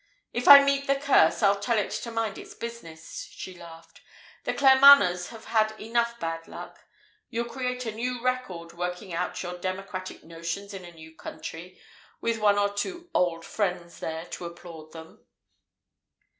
"If I meet the Curse, I'll tell it to mind its business," she laughed. "The Claremanaghs have had enough bad luck. You'll create a new record, working out your democratic notions in a new country, with one or two old friends there to applaud them."